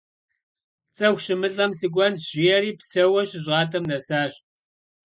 Цӏыху щымылӏэм сыкӏуэнщ жиӏэри, псэууэ щыщӏатӏэм нэсащ.